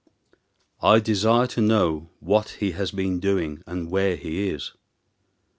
"I desire to know what he has been doing, and where he is."